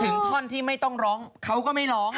ท่อนที่ไม่ต้องร้องเขาก็ไม่ร้อง